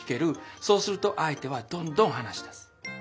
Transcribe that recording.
そうすると相手はどんどん話し出す。